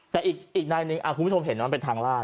แต่อีกนายหนึ่งคุณผู้ชมเห็นว่ามันเป็นทางลาด